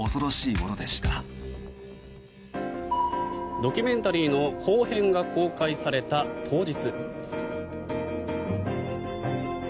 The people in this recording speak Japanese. ドキュメンタリーの後編が公開された当日。